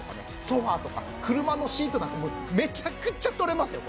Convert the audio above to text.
ソファとか車のシートなんかもうめちゃくちゃ取れますよ